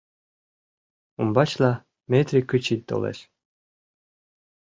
Умбачла Метри Кычи толеш.